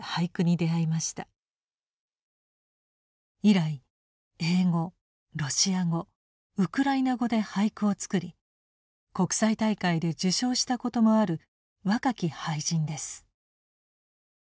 以来英語ロシア語ウクライナ語で俳句を作り国際大会で受賞したこともある若き俳人です。